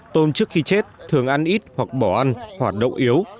tôm trước khi chết thường ăn ít hoặc bỏ ăn hoặc đậu yếu